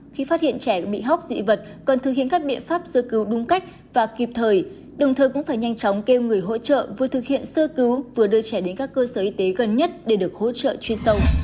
khi phát hiện trẻ bị hóc dị vật cần thực hiện các biện pháp sơ cứu đúng cách và kịp thời đồng thời cũng phải nhanh chóng kêu người hỗ trợ vừa thực hiện sơ cứu vừa đưa trẻ đến các cơ sở y tế gần nhất để được hỗ trợ chuyên sâu